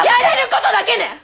やれることだけね！